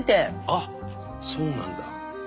あっそうなんだ。